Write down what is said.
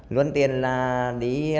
luân tiền là đi